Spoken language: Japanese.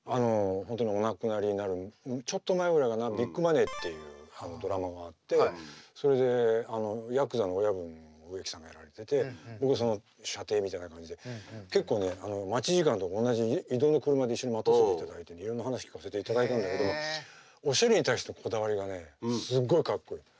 本当にお亡くなりになるちょっと前ぐらいかな「ビッグマネー！」っていうドラマがあってそれでやくざの親分を植木さんがやられてて僕はその舎弟みたいな感じで結構ね待ち時間とか同じ移動の車で一緒に待たせていただいていろんな話聞かせていただいたんだけどおしゃれに対してのこだわりがすごいかっこいい。